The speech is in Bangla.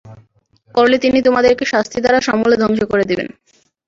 করলে তিনি তোমাদেরকে শাস্তি দ্বারা সমূলে ধ্বংস করে দেবেন।